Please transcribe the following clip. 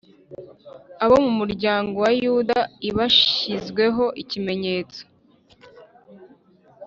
Abo mu muryango wa yuda i bashyizweho ikimenyetso